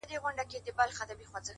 ستر بدلونونه له کوچنیو انتخابونو زېږي؛